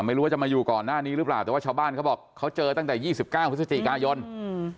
ไม่รู้ว่าจะมาอยู่ก่อนหน้านี้หรือเปล่าแต่ว่าชาวบ้านเขาบอกเขาเจอตั้งแต่ยี่สิบเก้าพฤศจิกายนอืม